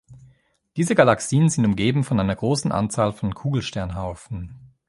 Diese Galaxien sind umgeben von einer großen Anzahl von Kugelsternhaufen.